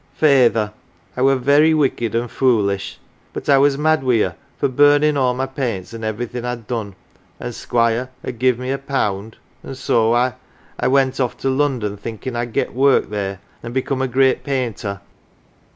" Feyther, I were very wicked an' foolish, but I was mad wi' you for burnin' all my paints an' everythin' I'd done, an' Squire had giv' me a pound an" 1 so I went off to London, thinkin' I'd get work there and become a great painter."